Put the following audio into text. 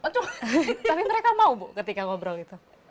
tapi mereka mau ketika ngobrol gitu